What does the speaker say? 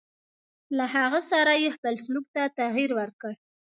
له هغه سره یې خپل سلوک ته تغیر ورکړ.